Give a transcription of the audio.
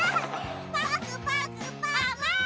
パクパクパク。